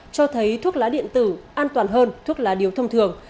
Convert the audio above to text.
cho thấy thuốc lái điện tử an toàn hơn thuốc lái điếu thông thường